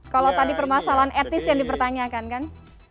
kalau tadi permasalahan etis yang dipertanyakan kan